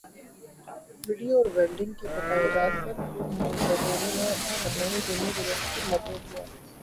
video اور welding کے بقایاجات پر گڈریے نے اپنے بہنوئی غنی بلوچ کو مدعو کیا